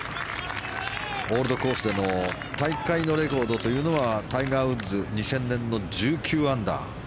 オールドコースでの大会のレコードはタイガー・ウッズ２０００年の１９アンダー。